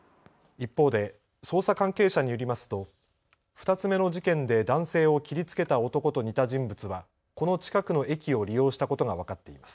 一方で捜査関係者によりますと２つ目の事件で男性を切りつけた男と似た人物はこの近くの駅を利用したことが分かっています。